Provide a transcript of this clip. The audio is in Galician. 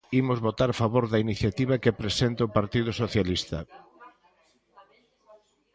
Imos votar a favor da iniciativa que presenta o Partido Socialista.